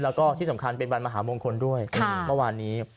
แล้วก็ที่สำคัญเป็นวันมหามงคลด้วยเมื่อวานนี้